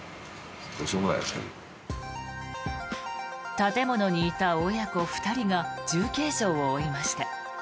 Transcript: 建物にいた親子２人が重軽傷を負いました。